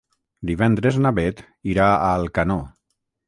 Divendres na Beth irà a Alcanó.